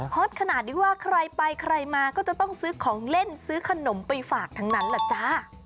ตขนาดที่ว่าใครไปใครมาก็จะต้องซื้อของเล่นซื้อขนมไปฝากทั้งนั้นล่ะจ้า